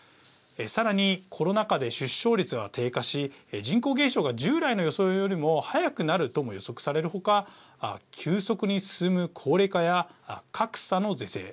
さらにコロナ禍で出生率が低下し人口減少が従来の予想よりも早くなるとも予測される他急速に進む高齢化や格差の是正。